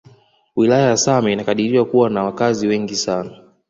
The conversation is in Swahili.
Wilaya ya Same inakadiriwa kuwa na wakazi wengi sana